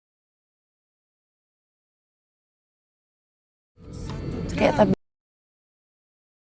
aku mau ke tempat yang lebih baik